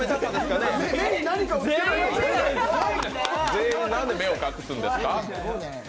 全員なんで目を隠すんですか？